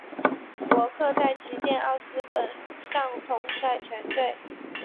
伯克在旗舰奥斯本上统帅全队。